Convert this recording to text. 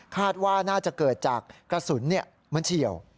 คาดว่าน่าจะเกิดจากกระสุนมันเฉียว